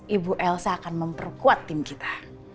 ibu elsa akan memperkuat tim kita